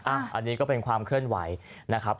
อันนี้ก็เป็นความเคลื่อนไหว